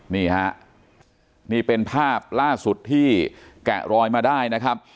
นี่ฮะนี่เป็นภาพล่าสุดที่แกะรอยมาได้นะครับ